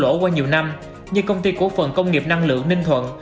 lỗ qua nhiều năm như công ty của phần công nghiệp năng lượng ninh thuận